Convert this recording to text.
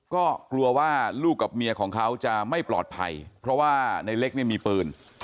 ก็กลัวว่าลูกกับเมียของเขาจะไม่ปลอดภัยเพราะว่าในเล็กเนี่ยมีปืน